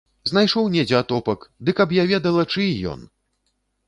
Знайшоў недзе атопак, ды каб я ведала, чый ён!